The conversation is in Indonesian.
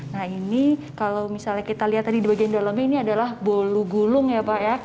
nah ini kalau misalnya kita lihat tadi di bagian dalamnya ini adalah bolu gulung ya pak ya